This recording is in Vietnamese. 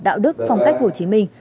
đạo đức phong cách hồ chí minh